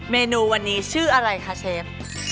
เมนูวันนี้ชื่ออะไรคะเชฟ